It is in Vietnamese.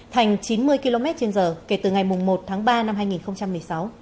thành chín mươi km trên giờ kể từ ngày một tháng ba năm hai nghìn hai mươi